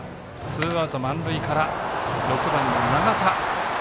ツーアウト、満塁から６番の長田。